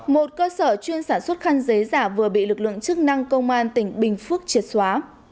một cơ sở chuyên sản xuất khăn giấy giả vừa bị lực lượng chức năng công an tỉnh bình phước triệt xóa